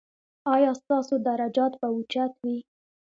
ایا ستاسو درجات به اوچت وي؟